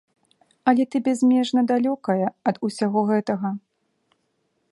Але ты бязмежна далёкая ад усяго гэтага.